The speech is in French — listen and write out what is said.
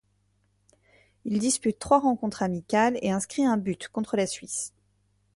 Il dispute trois rencontres amicales et inscrit un but, contre la Suisse.